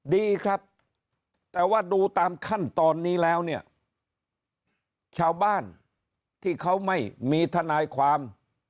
ดีครับแต่ว่าดูตามขั้นตอนนี้แล้วเนี่ยชาวบ้านที่เขาไม่มีทนายความ